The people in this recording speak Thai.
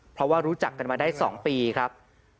เพราะว่ารู้จักกันมาได้๒ปีครับ